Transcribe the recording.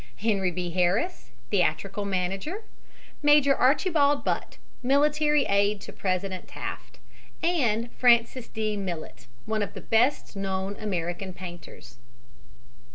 Henry B. Harris, theatrical manager; Major Archibald Butt, military aide to President Taft; and Francis D. Millet, one of the best known American painters.